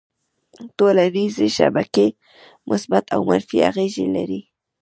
ټولنیزې شبکې مثبت او منفي اغېزې لري.